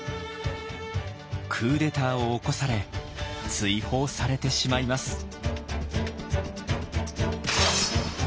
クーデターを起こされ追放されてしまいます。